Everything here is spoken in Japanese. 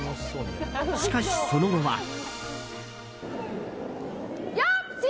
しかし、その後は。